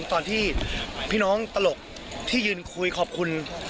ตอนที่พี่น้องตลกที่ยืนคุยขอบคุณ